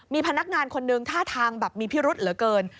มีพนักงานคนหนึ่งท่าทางแบบมีพิรุษเหลือเกิน